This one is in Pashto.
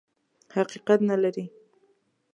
حقیقت نه لري.